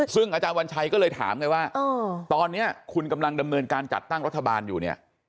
ซึ่งอาจารย์วันชัยก็เลยถามไงว่าตอนนี้คุณกำลังดำเนินการจัดตั้งรัฐบาลอยู่เนี่ย